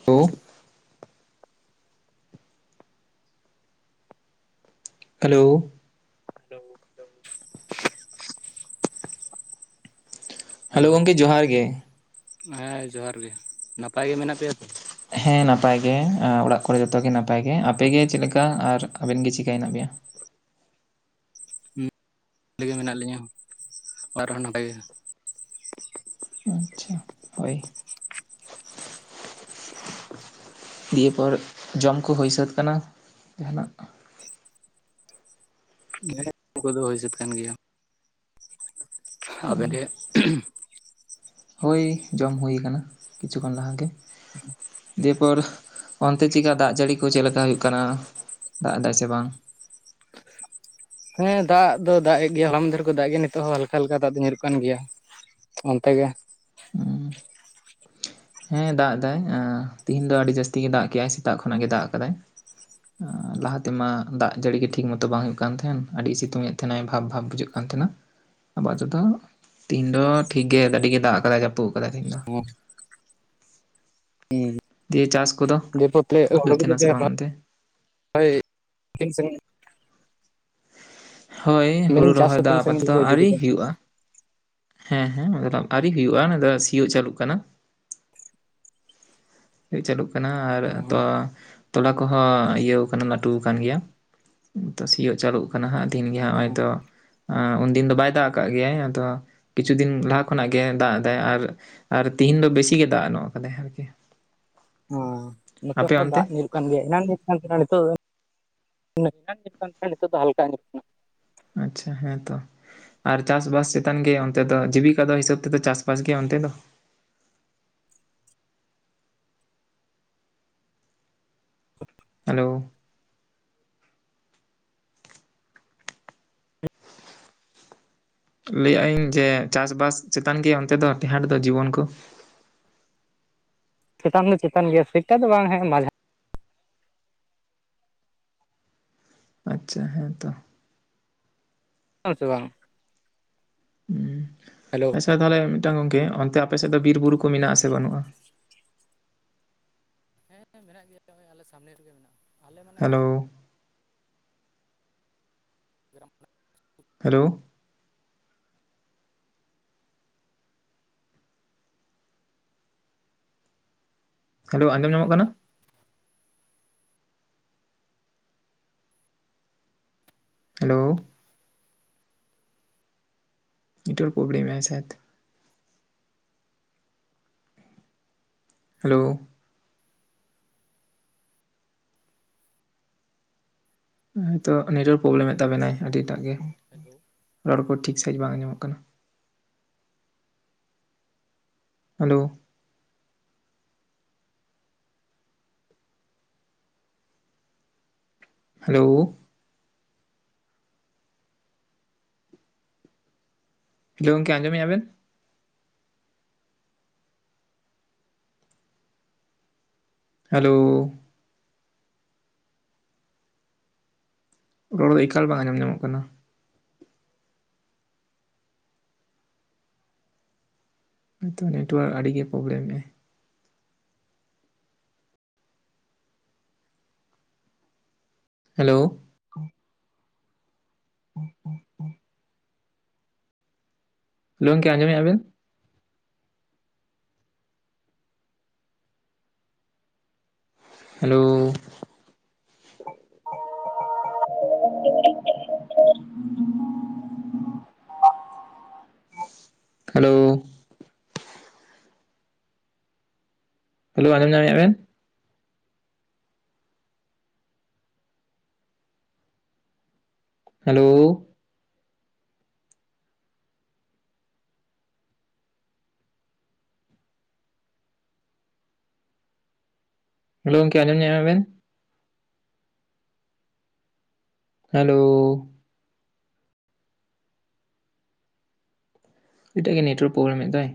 [inaudible] Hello. Hello. Hello, ᱜᱚᱢᱠᱮ ᱡᱚᱦᱟᱨ ᱜᱮ ᱦᱮᱸ ᱡᱚᱦᱟᱨ ᱜᱮ ᱱᱟᱯᱟᱭ ᱜᱮ ᱢᱮᱱᱟᱜ ᱯᱮᱭᱟ ᱛᱚ? ᱦᱮᱸ ᱱᱟᱯᱟᱭ ᱜᱮ ᱚᱲᱟᱜ ᱠᱚ ᱨᱮ ᱡᱷᱚᱛᱚ ᱱᱟᱯᱟᱭ ᱜᱮ ᱟᱯᱮ ᱜᱮ ᱪᱮᱫ ᱞᱮᱠᱟ ᱟᱨ ᱟᱵᱮᱱ ᱜᱮ ᱪᱤᱠᱟ ᱦᱮᱱᱟᱜ [unintelligible] ᱵᱷᱟᱞᱤ ᱜᱮ ᱢᱮᱱᱟᱜ ᱞᱤᱧᱟᱹ ᱟᱨ ᱦᱚᱸ ᱱᱚᱰᱮ ᱜᱮ ᱟᱪᱪᱷᱟ ᱾ ᱫᱤᱭᱮ ᱯᱚᱨ ᱡᱚᱢ ᱠᱚ ᱦᱩᱭ ᱥᱟᱹᱛ ᱠᱟᱱᱟ ᱡᱟᱦᱟ ᱱᱟᱜ? ᱦᱮᱸ ᱡᱚᱢ ᱠᱚᱫᱚ ᱦᱩᱭ ᱥᱟᱹᱛ ᱠᱟᱱ ᱜᱮᱭᱟ᱾ [unintelligible] ᱦᱳᱭ ᱡᱚᱢ ᱦᱩᱭ ᱠᱟᱱᱟ ᱠᱤᱪᱷᱩ ᱠᱷᱚᱱ ᱞᱟᱦᱟ ᱜᱮ, [unintelligible] ᱫᱤᱭᱮ ᱯᱚᱨ ᱚᱱᱛᱮ ᱪᱮᱠᱟ ᱫᱟᱜ ᱡᱟᱹᱲᱤ ᱠᱚ ᱪᱮᱫ ᱞᱮᱠᱟ ᱦᱩᱭᱩᱜ ᱠᱟᱱᱟ ᱫᱟᱜ ᱮᱫᱟᱭ ᱥᱮ ᱵᱟᱝ? ᱦᱮᱸ ᱫᱟᱜ ᱫᱚ ᱫᱟᱜ ᱮ ᱜᱮᱭᱟᱭ ᱦᱚᱞᱟ ᱢᱟᱫᱷᱮᱨ ᱠᱚ ᱫᱟᱜ ᱜᱮ ᱱᱤᱛᱚᱜ ᱦᱚᱸ ᱦᱟᱞᱠᱟ ᱦᱟᱞᱠᱟ ᱫᱟᱜ ᱫᱚ ᱧᱩᱨᱩᱜ ᱠᱟᱱ ᱜᱮᱭᱟ᱾ ᱚᱱᱛᱮ ᱜᱮ [unintelligible] ᱦᱮᱸ ᱫᱟᱜ ᱫᱟᱭ ᱛᱤᱦᱤᱧ ᱫᱚ ᱟᱹᱰᱤ ᱡᱟᱹᱥᱛᱤ ᱜᱮ ᱫᱟᱜ ᱠᱮᱜ ᱟᱭ ᱥᱮᱛᱟᱜ ᱠᱷᱚᱱᱟᱜ ᱜᱮ ᱫᱟᱜ ᱠᱟᱫᱟᱭ᱾ ᱞᱟᱦᱟ ᱛᱮᱢᱟ ᱫᱟᱜ ᱡᱟᱹᱲᱤ ᱜᱮ ᱴᱷᱤᱠ ᱢᱚᱛᱚ ᱵᱟᱝ ᱦᱩᱭᱩᱜ ᱠᱟᱱ ᱛᱟᱦᱮᱫ ᱟᱹᱰᱤ ᱥᱤᱛᱩᱝ ᱮᱫ ᱛᱟᱦᱮᱜ ᱱᱟᱭ ᱵᱷᱟᱵᱽ ᱵᱷᱟᱵᱽ ᱵᱩᱡᱷᱟᱹᱜ ᱛᱟᱦᱮᱱᱟ ᱟᱵᱟᱨ ᱛᱮᱫᱚ ᱛᱮᱦᱮᱧ ᱫᱚ ᱴᱷᱤᱠ ᱜᱮ ᱟᱹᱰᱤ ᱜᱮ ᱫᱟᱜ ᱠᱟᱫᱟᱭ ᱡᱟᱹᱯᱩᱫ ᱠᱟᱫᱟᱭ ᱛᱮᱦᱤᱧ ᱫᱚ᱾ [unintelligible] ᱫᱤᱭᱮ ᱪᱟᱥ ᱠᱚᱫᱚ ᱦᱩᱭᱩᱜ ᱛᱟᱦᱮᱱᱟ ᱥᱮ ᱵᱟᱝ ᱚᱱᱛᱮ [unintelligible] [unintelligible] ᱦᱳᱭ ᱦᱩᱲᱩ ᱢᱮᱱᱤᱧ ᱪᱟᱥ ᱨᱚᱦᱚᱭ ᱠᱚ ᱫᱚ ᱛᱤᱱ ᱥᱟᱺᱜᱤᱧ ᱟᱯᱟᱛᱚᱛᱚ ᱯᱮ ᱤᱫᱤ ᱟᱹᱣᱨᱤ ᱠᱮᱫᱟ? ᱦᱩᱭᱩᱜᱼᱟ᱾ ᱦᱮᱸ ᱦᱮᱸ ᱟᱹᱣᱨᱤ ᱦᱩᱭᱩᱜᱼᱟ ᱚᱱᱟ ᱫᱚ ᱥᱤᱭᱳᱜ ᱪᱟᱹᱞᱩᱜ ᱠᱟᱱᱟ᱾ ᱪᱟᱹᱞᱩᱜ ᱠᱟᱱᱟ ᱟᱨ ᱛᱚ ᱛᱚᱞᱟ ᱠᱚᱦᱚᱸ ᱤᱭᱟᱹᱣ ᱠᱟᱱᱟ ᱞᱟᱹᱴᱩ ᱠᱟᱱ ᱜᱮᱭᱟ ᱛᱚ ᱥᱤᱭᱳᱜ ᱪᱟᱹᱞᱩᱜ ᱠᱟᱱᱟ ᱦᱟᱸᱜ ᱫᱤᱱ ᱜᱮ ᱱᱚᱸᱜᱼᱚᱭ ᱛᱚ ᱩᱱᱫᱤᱱ ᱫᱚ ᱵᱟᱭ ᱫᱟᱜ ᱟᱠᱟᱫ ᱜᱮᱭᱟᱭ ᱟᱫᱚ ᱠᱤᱪᱷᱩ ᱫᱤᱱ ᱞᱟᱦᱟ ᱠᱷᱚᱱᱟᱜ ᱜᱮ ᱫᱟᱜ ᱮᱫᱟ ᱟᱨ ᱟᱨ ᱛᱤᱦᱤᱧ ᱫᱚ ᱵᱮᱥᱤ ᱜᱮ ᱫᱟᱜ ᱧᱚᱜ ᱠᱟᱫᱟᱭ ᱟᱨᱠᱤ ᱾ ᱚ ᱱᱚᱛᱮ ᱦᱚᱸ ᱫᱟᱜ ᱚᱱᱛᱮ ᱱᱩᱨᱩᱜ ᱦᱩᱭᱩᱜ ᱠᱟᱱ ᱜᱮᱭᱟ ᱚᱱᱟ ᱧᱩᱨ ᱠᱟᱱ ᱛᱟᱦᱮ ᱱᱟ ᱱᱤᱛᱚᱜ ᱫᱚ [unintelligible] ᱛᱟᱦᱮ ᱱᱟ ᱱᱤᱛᱚᱜ ᱫᱚ ᱦᱟᱞᱠᱟ ᱧᱩᱨᱩᱜ ᱠᱟᱱᱟ᱾ ᱟᱪᱪᱷᱟ ᱦᱮᱸ ᱛᱚ᱾ ᱟᱨ ᱪᱟᱥ ᱵᱟᱥ ᱪᱮᱛᱟᱱ ᱜᱮᱭᱟ ᱚᱱᱛᱮ ᱫᱚ [unintelligible] ᱦᱤᱥᱟᱹᱵ ᱛᱮ ᱠᱚ ᱪᱟᱥ ᱵᱟᱥ ᱜᱮᱭᱟ ᱚᱱᱛᱮ ᱫᱚ᱾ ᱦᱮᱞᱳ, ᱞᱟᱹᱭ ᱟᱜ ᱟᱹᱧ ᱡᱮ ᱪᱟᱥ ᱵᱟᱥ ᱪᱮᱛᱟᱱ ᱜᱮ ᱚᱱᱛᱮ ᱫᱚ ᱴᱮᱦᱟᱴ ᱫᱚ ᱡᱤᱵᱚᱱ ᱠᱚ? ᱪᱮᱛᱟᱱ ᱫᱚ ᱪᱮᱛᱟᱱ ᱜᱮᱭᱟ [unintelligible] ᱫᱚ ᱵᱟᱝ᱾ [unintelligible] ᱟᱪᱪᱷᱟ ᱦᱮᱸ ᱛᱚ᱾ [unintelligible] ᱦᱮᱞᱳ ᱟᱪᱪᱷᱟ ᱛᱟᱦᱞᱮ ᱢᱤᱫ ᱴᱟᱝ ᱜᱚᱝᱠᱮ ᱚᱱᱛᱮ ᱟᱯᱮ ᱥᱮᱫ ᱫᱚ ᱵᱤᱨ ᱵᱩᱨᱩ ᱠᱚ ᱢᱮᱱᱟᱜ ᱟᱥᱮ ᱵᱟᱹᱱᱩᱜᱼᱟ? ᱦᱮᱸ ᱢᱮᱱᱟᱜ ᱜᱮᱭᱟ ᱱᱚᱜᱚᱭ ᱟᱞᱮ ᱥᱟᱢᱱᱮ ᱨᱮ ᱜᱮ ᱢᱮᱱᱟᱜᱼᱟ ᱟᱞᱮ ᱢᱟᱱᱮ ᱟᱞᱮ, ᱦᱮᱞᱳ [unintelligible] ᱦᱮᱞᱳ, ᱦᱮᱞᱳ ᱟᱸᱡᱚᱢ ᱧᱟᱢᱚᱜ ᱠᱤᱞᱳᱢᱤᱴᱟᱨ ᱠᱟᱱᱟ? ᱞᱟᱜᱟᱜᱼᱟ᱾ ᱦᱮᱞᱳ, ᱱᱮᱴᱣᱟᱨᱠ ᱯᱨᱚᱠᱞᱮᱢ ᱮᱜ ᱟᱭ᱾ ᱦᱮᱞᱳ, ᱦᱳᱭ ᱛᱚ ᱱᱮᱴᱣᱟᱨᱠ ᱯᱨᱚᱵᱞᱮᱢᱮᱫ ᱛᱟᱵᱮ ᱱᱟᱭ ᱟᱹᱰᱤ ᱮᱴᱟᱜ ᱜᱮ᱾ ᱦᱮᱞᱳ, ᱨᱚᱲ ᱠᱚ ᱴᱷᱤᱠ ᱥᱟᱺᱦᱤᱡ ᱵᱟᱝ ᱟᱡᱚ ᱢᱚᱜ ᱠᱟᱱᱟ᱾ ᱦᱮᱞᱳ, ᱦᱮᱞᱳ, ᱜᱚᱝᱠᱮ ᱟᱡᱚᱢ ᱮᱫ ᱟᱵᱮᱱ? ᱦᱮᱞᱳ, ᱨᱚᱲ ᱫᱚ ᱮᱠᱟᱞ ᱵᱟᱝ ᱟᱸᱡᱚᱢ ᱧᱟᱢᱚᱜ ᱠᱟᱱᱟ? ᱦᱚᱭᱛᱚ ᱱᱮᱴᱚᱣᱟᱨᱠ ᱟᱹᱰᱤ ᱜᱮ ᱯᱨᱚᱵ ᱞᱮᱢᱮᱫᱟ᱾ ᱦᱮᱞᱳ, [unintelligible] ᱜᱚᱝᱠᱮ ᱟᱸᱡᱚᱢ ᱮᱜᱟ ᱟ ᱵᱤᱱ? ᱦᱮᱞᱳ, ᱦᱮᱞᱳ, ᱦᱮᱞᱳ ᱟᱡᱚᱢ ᱧᱟᱢᱮᱜ-ᱟ ᱵᱤᱱ? ᱦᱮᱞᱳ, ᱦᱮᱞᱳ ᱜᱚᱝᱠᱮ ᱟᱸᱡᱚᱢ ᱧᱟᱢ ᱮᱜᱼᱟ ᱵᱤᱱ? ᱦᱮᱞᱳ, ᱮᱴᱟᱜ ᱜᱮ ᱱᱮᱴᱳᱣᱟᱨᱠ ᱯᱨᱚᱵᱞᱮᱢ ᱮᱫ ᱫᱚᱭ᱾